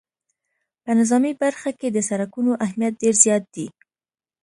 په نظامي برخه کې د سرکونو اهمیت ډېر زیات دی